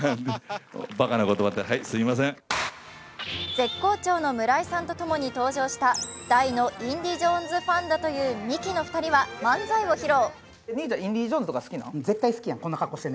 絶好調の村井さんとともに登場した大の「インディ・ジョーンズ」ファンだというミキは漫才を披露。